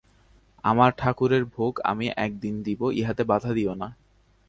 আমার ঠাকুরের ভোগ আমি একদিন দিব, ইহাতে বাধা দিয়ো না।